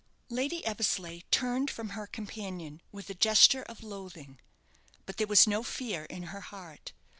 Lady Eversleigh turned from her companion with a gesture of loathing. But there was no fear in her heart.